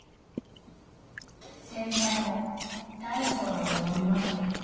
先輩も大層なもの飲みますね。